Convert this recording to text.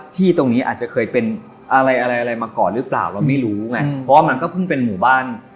ที่ตรงนี้อาจจะเคยเป็นอะไรอะไรมาก่อนหรือเปล่าเราไม่รู้ไงเพราะว่ามันก็เพิ่งเป็นหมู่บ้าน